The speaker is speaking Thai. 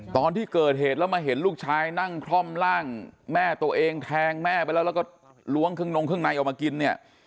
ตอนที่เกิดเหตุแล้วมาเห็นลูกชายนั่งคล่อมร่างแม่ตัวเองแทงแม่ไปแล้วแล้วก็ล้วงเครื่องนงเครื่องในออกมากินเนี่ย